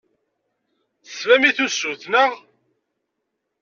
Teslam i tusut, naɣ?